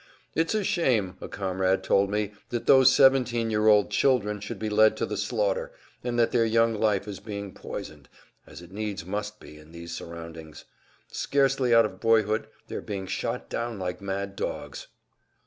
"It's a shame," a comrade told me, "that those seventeen year old children should be led to the slaughter, and that their young life is being poisoned, as it needs must be in these surroundings; scarcely out of boyhood, they are being shot down like mad dogs."